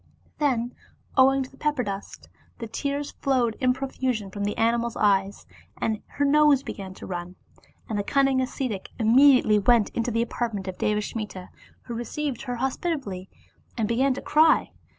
Then owing to the pepper dust, the tears flowed in profusion from the animal's eyes, and her nose began to run. And the cun ning ascetic immediately went into the apartment of Deva smita, who received her hospitably, and began to cry.